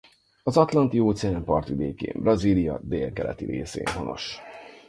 Az Atlanti-óceán partvidékén Brazília délkeleti részén honos.